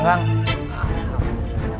kamu nggak kantor